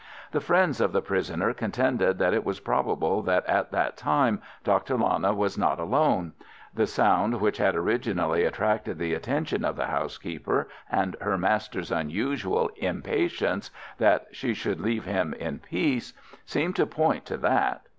The friends of the prisoner contended that it was probable that at that time Dr. Lana was not alone. The sound which had originally attracted the attention of the housekeeper, and her master's unusual impatience that she should leave him in peace, seemed to point to that.